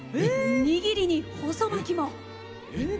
握りに、のり巻きも。